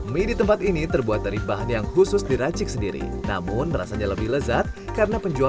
mie di tempat ini terbuat secara berbeda